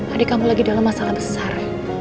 adik kamu lagi dalam masalah besar